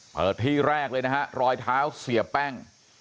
ที่แรกเลยนะฮะรอยเท้าเสียแป้ง